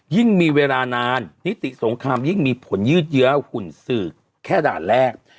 ยิ่งมีเวลานานนิติสงครามยิ่งมีผลยืดเยื้อหุ่นสื่อแค่ด่านแรก